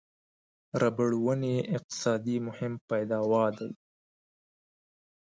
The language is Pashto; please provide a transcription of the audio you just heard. ربړ ونې یې اقتصادي مهم پیداوا دي.